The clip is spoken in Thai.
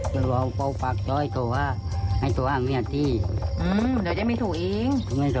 เดี๋ยวแจ้งไม่ถูกเอง